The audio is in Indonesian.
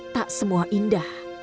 tak semua indah